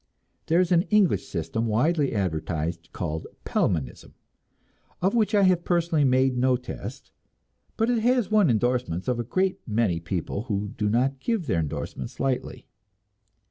There is an English system widely advertised, called "Pelmanism," of which I have personally made no test, but it has won endorsements of a great many people who do not give their endorsements lightly.